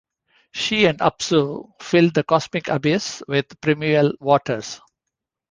She and Apsu filled the cosmic abyss with the primeval waters.